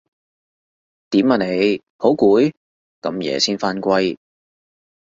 點啊你？好攰？咁夜先返歸